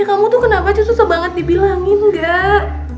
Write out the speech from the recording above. ya kamu tuh kenapa susah banget dibilangin gak